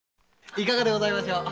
いかがでございましょう？